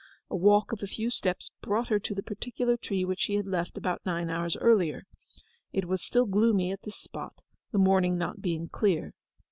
A walk of a few steps brought her to the particular tree which she had left about nine hours earlier. It was still gloomy at this spot, the morning not being clear.